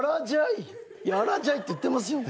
あらじゃいって言ってますよね？